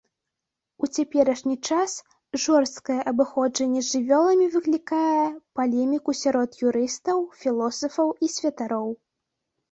У цяперашні час жорсткае абыходжанне з жывёламі выклікае палеміку сярод юрыстаў, філосафаў і святароў.